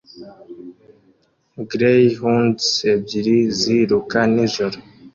Greyhounds ebyiri ziruka nijoro